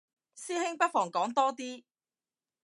師兄不妨講多啲